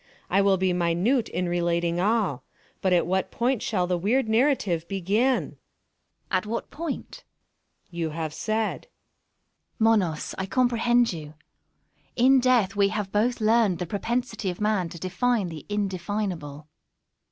I will be minute in relating all—but at what point shall the weird narrative begin? Una. At what point? Monos. You have said. Una. Monos, I comprehend you. In Death we have both learned the propensity of man to define the indefinable.